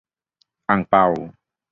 - อั่งเปา